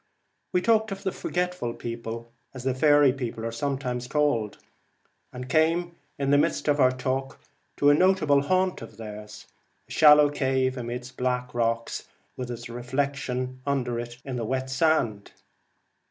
We talked of the Forgetful People as the faery people are sometimes called, and came in the midst of our talk to a notable haunt of theirs, a shallow cave amidst black rocks, with its reflection under it in the wet sea sand.